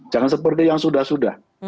jangan seperti yang sudah sudah